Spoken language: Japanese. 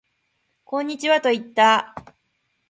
こんにちはと言った